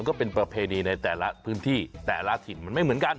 ก็เป็นประเพณีในแต่ละพื้นที่แต่ละถิ่นมันไม่เหมือนกัน